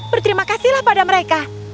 berterima kasihlah pada mereka